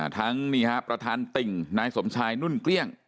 นี่ฮะประธานติ่งนายสมชายนุ่นเกลี้ยง